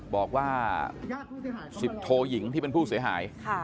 บอกว่า๑๐โทยิงที่เป็นผู้เสียหาย